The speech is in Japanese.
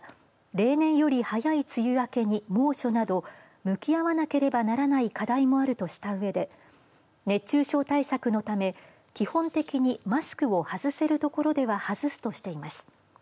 例年より早い梅雨明けに猛暑など向き合わなければならない課題もあるとしたうえで熱中症対策のため基本的に、マスクを外せるところでは外すとしています。